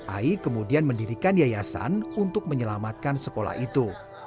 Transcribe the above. aik kemudian mendirikan yayasan untuk menyelamatkan sekolah itu